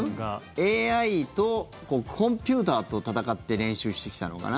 ＡＩと、コンピューターと戦って練習してきたのかな。